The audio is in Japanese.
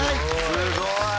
すごい。